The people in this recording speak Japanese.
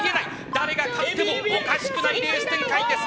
誰が勝ってもおかしくないレース展開です。